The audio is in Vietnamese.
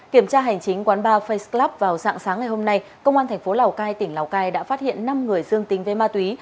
kiểm tra hành chính quán bar faceclub vào sạng sáng ngày hôm nay công an thành phố lào cai tỉnh lào cai đã phát hiện năm người dương tính với ma túy